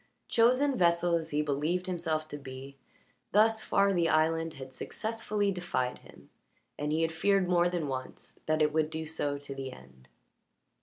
Chosen vessel as he believed himself to be, thus far the island had successfully defied him, and he had feared more than once that it would do so to the end.